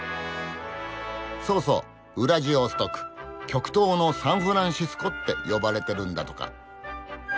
そうそうウラジオストク「極東のサンフランシスコ」って呼ばれてるんだとか。